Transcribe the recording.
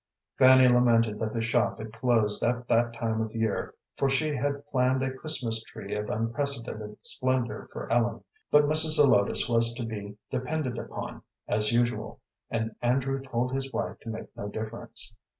Fanny lamented that the shop had closed at that time of year, for she had planned a Christmas tree of unprecedented splendor for Ellen, but Mrs. Zelotes was to be depended upon as usual, and Andrew told his wife to make no difference.